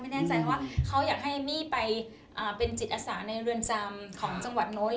แน่ใจว่าเขาอยากให้เอมมี่ไปเป็นจิตอาสาในเรือนจำของจังหวัดโน้น